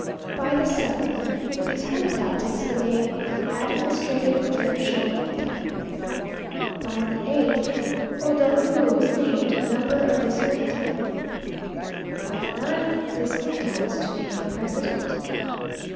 By the seventh, this Junta takes the name of the Administrative Provincial Junta. By the eighth, O'Donoju was named member of this Junta. By the ninth, this Junta was to name a president.